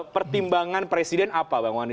pertimbangan presiden apa bang wani